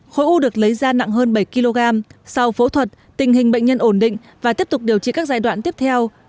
khối u được lấy ra nặng hơn bảy kg sau phẫu thuật tình hình bệnh nhân ổn định và tiếp tục điều trị các giai đoạn tiếp theo